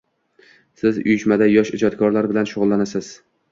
– Siz uyushmada yosh ijodkorlar bilan shug‘ullanasiz.